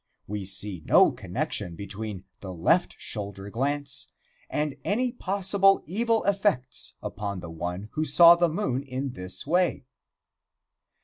We see no connection between the left shoulder glance and any possible evil effects upon the one who saw the moon in this way.